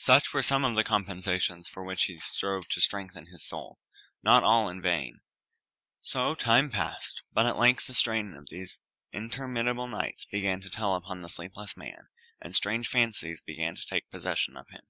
Such were some of the compensations with which he strove to strengthen his soul not all in vain. So time passed; but at length the strain of those interminable nights began to tell upon the sleepless man, and strange fancies began to take possession of him.